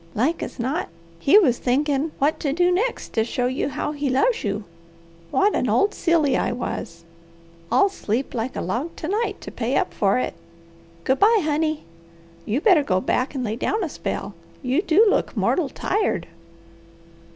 Like as not he was thinkin' what to do next to show you how he loves you. What an old silly I was! I'll sleep like a log to night to pay up for it. Good bye, honey! You better go back and lay down a spell. You do look mortal tired."